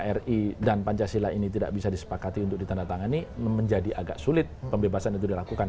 bahwa kalau memang urusan nkri dan pancasila ini tidak bisa disepakati untuk ditandatangani menjadi agak sulit pembebasan itu dilakukan